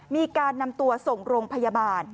มีการนำตัวส่งโรงพยาบาล